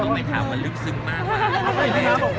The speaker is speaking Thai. คุณพิมพ์ใหม่เท้ามันลึกซึงมากนะครับ